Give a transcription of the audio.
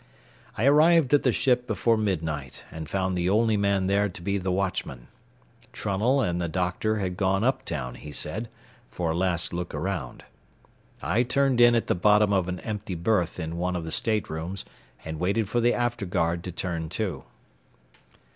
I arrived at the ship before midnight and found the only man there to be the watchman. Trunnell and the "doctor" had gone uptown, he said, for a last look around. I turned in at the bottom of an empty berth in one of the staterooms and waited for the after guard to turn to.